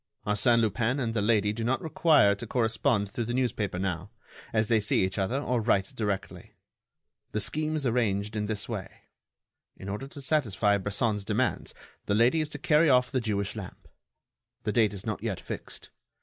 Arsène Lupin and the lady do not require to correspond through the newspaper now, as they see each other or write directly. The scheme is arranged in this way: in order to satisfy Bresson's demands, the lady is to carry off the Jewish lamp. The date is not yet fixed.